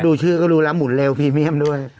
ดูชื่อก็รู้แล้วหมุนเร็วพรีเมียมด้วย